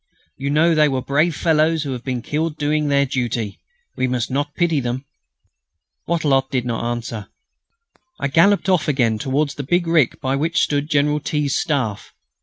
You know, they were brave fellows who have been killed doing their duty. We must not pity them...." Wattrelot did not answer. I galloped off again towards the big rick by which stood General T.'s Staff.